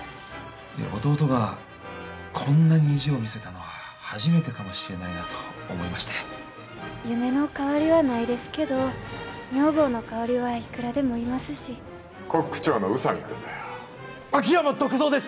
弟がこんなに意地を見せたのは初めてかもしれないなと思いまして夢の代わりはないですけど女房の代わりはいくらでもいますしコック長の宇佐美君だよ秋山篤蔵です